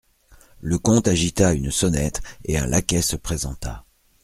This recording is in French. Le comte agita une sonnette et un laquais se présenta.